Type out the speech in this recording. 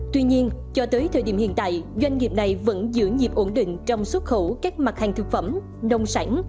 tuy nhiên cho tới thời điểm hiện tại doanh nghiệp này vẫn giữ nhịp ổn định trong xuất khẩu các mặt hàng thực phẩm nông sản